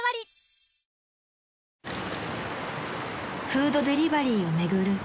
［フードデリバリーを巡る